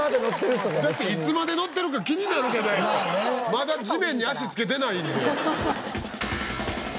まだ地面に足着けてないんで。